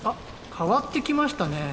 変わってきましたねぇ。